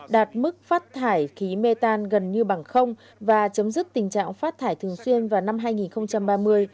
đạt mức phát thải khí mê tan gần như bằng không và chấm dứt tình trạng phát thải thường xuyên vào năm hai nghìn ba mươi